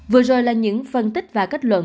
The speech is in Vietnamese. vừa rồi là những phân tích và kết luận